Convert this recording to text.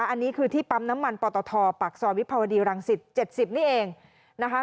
อันนี้คือที่ปั๊มน้ำมันปตทปากซอยวิภาวดีรังสิต๗๐นี่เองนะคะ